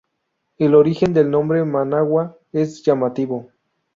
El origen del nombre Managua es llamativo.